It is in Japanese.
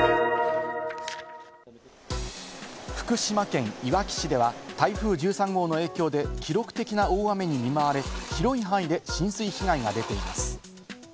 福島県いわき市では、台風１３号の影響で記録的な大雨に見舞われ、広い範囲で浸水被害が出ています。